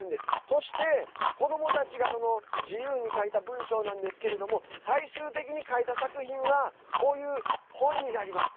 そして子どもたちが自由に書いた文章なんですけれども最終的に書いた作品はこういう本になります。